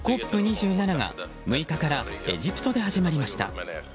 ＣＯＰ２７が６日からエジプトで始まりました。